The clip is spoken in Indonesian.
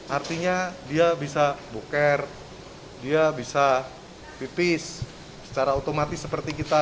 artinya dia bisa buker dia bisa pipis secara otomatis seperti kita